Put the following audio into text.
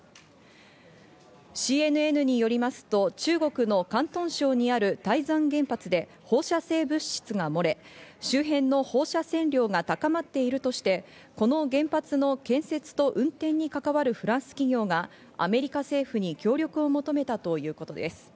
ＣＮＮによりますと中国の広東省にある台山原発で放射性物質が漏れ周辺の放射線量が高まっているとして、この原発の建設と運転に関わるフランス企業がアメリカ政府に協力を求めたということです。